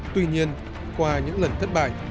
tuy nhiên qua những lần thất bại